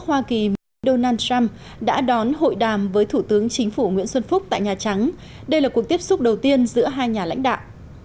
hoa kỳ mỹ donald trump đã đón hội đàm với thủ tướng chính phủ nguyễn xuân phúc tại nhà trắng đây là cuộc tiếp xúc đầu tiên giữa hai nhà lãnh đạo